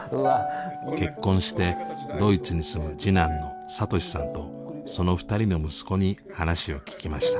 結婚してドイツに住む次男の聡さんとその２人の息子に話を聞きました。